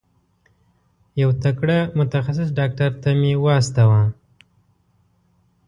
یو تکړه متخصص ډاکټر ته مي واستوه.